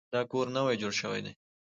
دا کور نوی جوړ شوی دی.